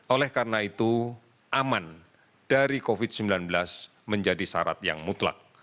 oleh karena itu aman dari covid sembilan belas menjadi syarat yang mutlak